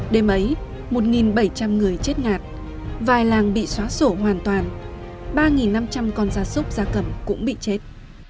đêm ấy một bảy trăm linh người chết ngạt vài làng bị xóa sổ hoàn toàn ba năm trăm linh con da súc da cẩm cũng bị chết